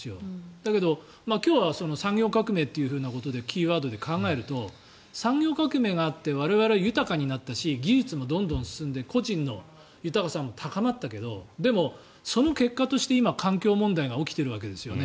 だけど、今日は産業革命というふうなことでキーワードで考えると産業革命があって我々は豊かになったし技術もどんどん進んで個人の豊かさも高まったけどでも、その結果として今環境問題が起きてるわけですよね。